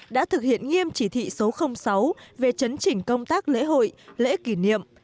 đã thực hiện nghiêm chỉ thị số sáu về chấn chỉnh công tác lễ hội lễ kỷ niệm